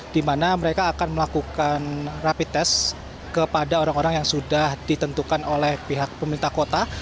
di mana mereka akan melakukan rapid test kepada orang orang yang sudah ditentukan oleh pihak pemerintah kota